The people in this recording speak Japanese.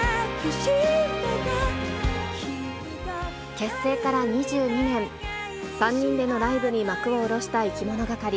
結成から２２年、３人でのライブに幕を下ろしたいきものがかり。